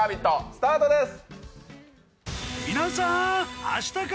スタートです！